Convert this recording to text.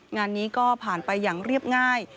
งานนี้ก็ผ่านไปอย่างเรียบง่าย